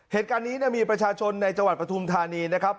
เหตุการณ์นี้มีประชาชนในจังหวัดปฐุมธานีนะครับ